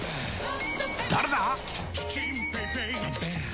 誰だ！